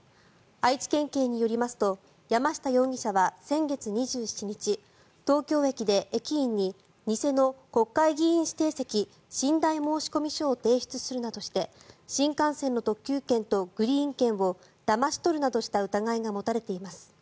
愛知県警によりますと山下容疑者は先月２７日東京駅で駅員に偽の国会議員指定席・寝台申込書を提出するなどして新幹線の特急券とグリーン券をだまし取るなどした疑いが持たれています。